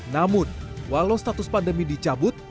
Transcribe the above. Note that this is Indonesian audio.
namun walau status pandemi dicabut